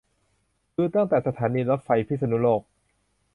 คือตั้งแต่สถานีรถไฟพิษณุโลก